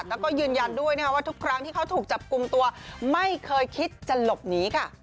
แล้วก็ยืนยันด้วยว่าทุกครั้งที่เขาถูกจับกลุ่มตัวไม่เคยคิดจะหลบหนีค่ะ